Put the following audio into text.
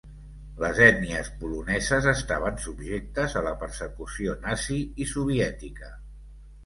Les ètnies poloneses estaven subjectes a la persecució nazi i soviètica.